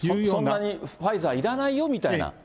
そんなにファイザーいらないよみたいな？